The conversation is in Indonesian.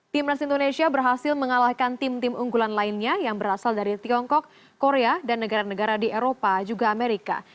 timnas indonesia berhasil mengalahkan tim tim unggulan lainnya yang berasal dari tiongkok korea dan negara negara di eropa juga amerika